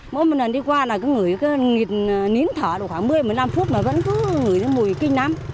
mỗi một lần đi qua là cứ ngửi cái nghịt nín thở được khoảng một mươi một mươi năm phút mà vẫn cứ ngửi cái mùi kinh lắm